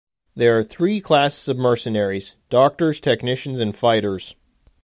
There are three classes of mercenaries: doctors, technicians, and fighters.